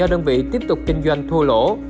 tại lúc kinh doanh thua lỗ